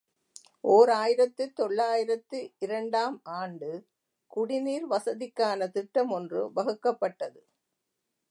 ஓர் ஆயிரத்து தொள்ளாயிரத்து இரண்டு ஆம் ஆண்டு குடிநீர் வசதிக்கான திட்டம் ஒன்று வகுக்கப்பட்டது.